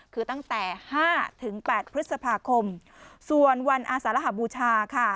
คือตั้งแต่๕๘พฤษภาคมส่วนวันอาสารหบูชาค่ะ